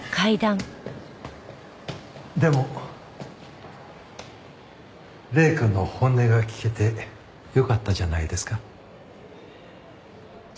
でも礼くんの本音が聞けてよかったじゃないですか。